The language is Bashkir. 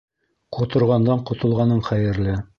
Ҡоторғандан ҡотолғаның хәйерле.